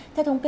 theo thống kê